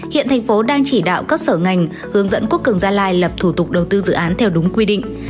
hiện thành phố đang chỉ đạo các sở ngành hướng dẫn quốc cường gia lai lập thủ tục đầu tư dự án theo đúng quy định